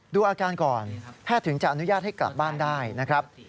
ดูอาการก่อนแพทย์ถึงจะอนุญาตให้กลับบ้านได้นะครับ